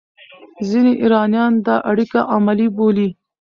ځینې ایرانیان دا اړیکه عملي بولي.